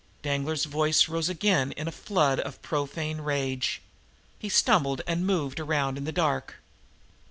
Danglar's voice rose again in a flood of profane rage. He stumbled and moved around in the dark.